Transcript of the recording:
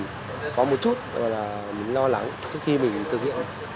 có một chút là mình lo lắng trước khi mình thực hiện